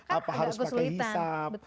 apa harus pakai hisab